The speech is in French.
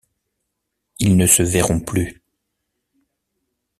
Ils ne se verront plus.